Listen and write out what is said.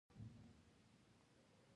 د ځاندرملنه خطرناکه وي.